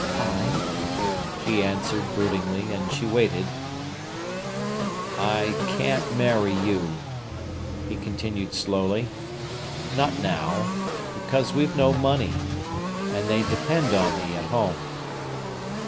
"Ay," she answered broodingly; and she waited. "I can't marry you," he continued slowly, "not now, because we've no money, and they depend on me at home."